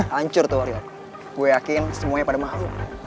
hancur tuh wariaku gue yakin semuanya pada mahluk